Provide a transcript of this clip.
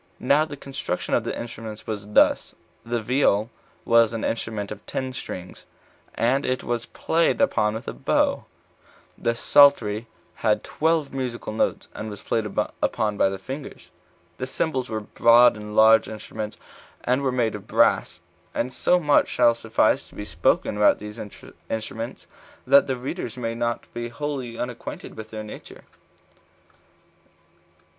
Now the construction of the instruments was thus: The viol was an instrument of ten strings, it was played upon with a bow; the psaltery had twelve musical notes, and was played upon by the fingers; the cymbals were broad and large instruments, and were made of brass. And so much shall suffice to be spoken by us about these instruments, that the readers may not be wholly unacquainted with their nature.